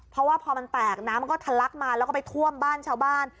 เพราะว่าพอมันแตกน้ำมันก็ทะลักมาแล้วก็ไปท่วมบ้านชาวบ้าน